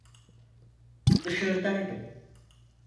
Dışarıdaydım.